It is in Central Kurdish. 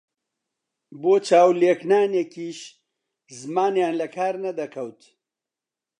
بۆ چاو لێکنانێکیش زمانیان لە کار نەدەکەوت